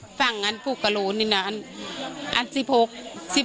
ปกติพี่สาวเราเนี่ยครับเป็นคนเชี่ยวชาญในเส้นทางป่าทางนี้อยู่แล้วหรือเปล่าครับ